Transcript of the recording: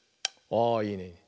あいいね。